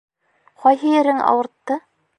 — Ҡайһы ерең ауыртты?